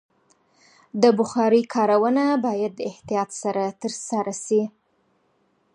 د بخارۍ کارونه باید د احتیاط سره ترسره شي.